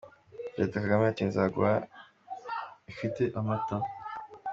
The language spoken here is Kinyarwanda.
Perezida Kagame ati “Nzaguha ifite amata.”